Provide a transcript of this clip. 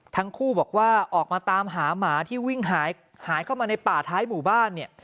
ทั้งคู่บอกว่าออกมาตามหาหมาที่วิ่งหายเข้ามาในป่าท้ายหมู่บ้านเนี่ย